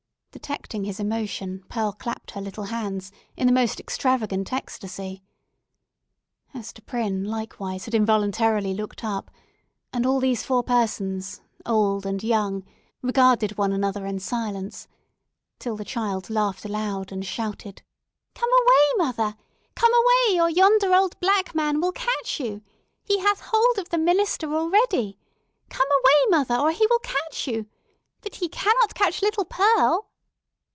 Detecting his emotion, Pearl clapped her little hands in the most extravagant ecstacy. Hester Prynne, likewise, had involuntarily looked up, and all these four persons, old and young, regarded one another in silence, till the child laughed aloud, and shouted—"Come away, mother! Come away, or yonder old black man will catch you! He hath got hold of the minister already. Come away, mother or he will catch you! But he cannot catch little Pearl!"